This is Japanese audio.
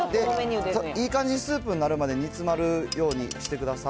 いい感じにスープになるまで煮詰まるようにしてください。